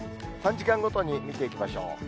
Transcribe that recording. ３時間ごとに見ていきましょう。